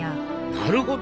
なるほど。